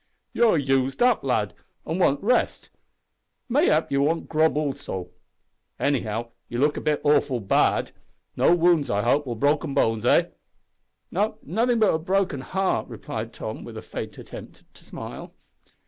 "You're used up, lad, an' want rest; mayhap you want grub also. Anyhow you look awful bad. No wounds, I hope, or bones broken, eh?" "No, nothing but a broken heart," replied Tom with a faint attempt to smile.